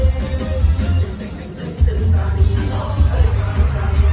นึกนึกนึกนึกนานร้องเติ้ลมีมากนั้นก็มากยิ่ง